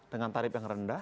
dengan tarif yang rendah